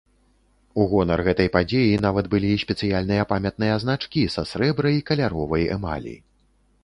У гонар гэтай падзеі нават былі спецыяльныя памятныя значкі са срэбра і каляровай эмалі.